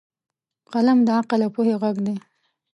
قلم د عقل او پوهې غږ دی